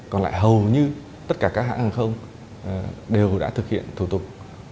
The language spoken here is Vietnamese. còn lại hầu như tất cả các hãng hàng không đều đã thực hiện thủ tục